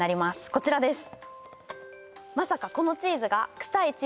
こちらです